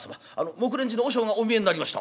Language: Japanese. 木蓮寺の和尚がお見えになりました」。